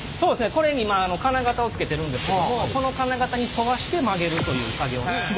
これに今金型をつけてるんですけどもこの金型に沿わして曲げるという作業になります。